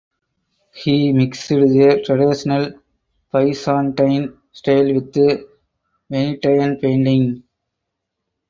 He mixed the traditional Byzantine style with Venetian painting.